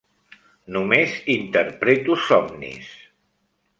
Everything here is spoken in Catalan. Només interpreto somnis.